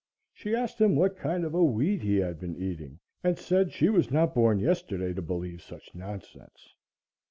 She asked him what kind of a weed he had been eating, and said she was not born yesterday to believe such nonsense.